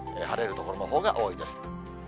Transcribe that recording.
晴れる所のほうが多いです。